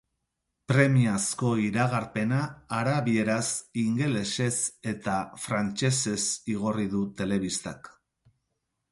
Premiazko iragarpena arabieraz, ingelesez eta frantsesez igorri du telebistak.